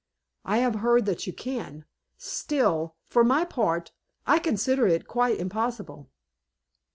I have heard that you can; still, for my part, I consider it quite impossible."